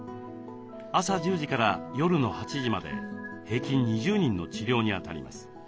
朝１０時から夜の８時まで平均２０人の治療にあたります。